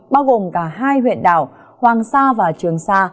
bao gồm cả hai huyện đảo hoàng sa và trường sa